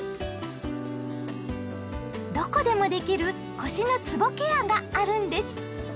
どこでもできる腰のつぼケアがあるんです！